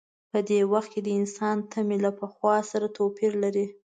په دې وخت کې د انسان تمې له پخوا سره توپیر لري.